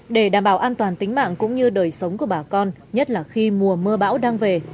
để đảm bảo an toàn tính mạng cũng như đời sống của bà con nhất là khi mùa mưa bão đang về